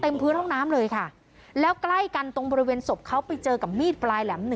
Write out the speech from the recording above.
มันทะลุได้มั้ย